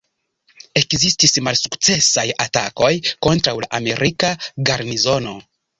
Ekzistis malsukcesaj atakoj kontraŭ la amerika garnizono.